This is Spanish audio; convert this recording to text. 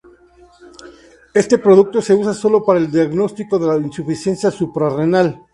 Este producto se usa solo para el diagnóstico de la insuficiencia suprarrenal.